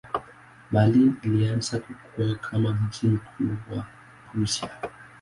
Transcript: Berlin ilianza kukua kama mji mkuu wa Prussia.